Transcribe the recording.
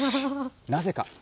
なぜか。